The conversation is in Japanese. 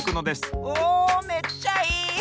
おめっちゃいい！